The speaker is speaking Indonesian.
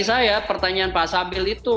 saya pertanyaan pak sabil itu